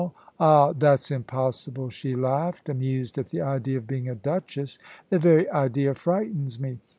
"Ah, that's impossible," she laughed, amused at the idea of being a duchess; "the very idea frightens me."